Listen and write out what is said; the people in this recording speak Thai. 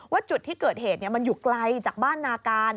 จุดที่เกิดเหตุมันอยู่ไกลจากบ้านนาการ